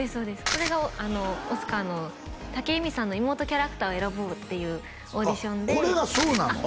これがオスカーの武井咲さんの妹キャラクターを選ぼうっていうオーディションであっ